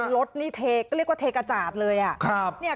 รถนี่เทก็เรียกว่าเทกระจาดเลย